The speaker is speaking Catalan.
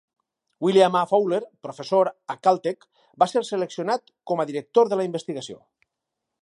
William A. Fowler, professor a Caltech, va ser seleccionat com a director de la investigació.